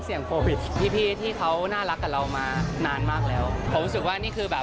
หยอกเอิญสุดลึกคุณผู้ชมค่ะ